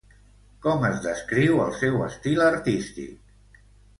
Com es descriu el seu estil artístic?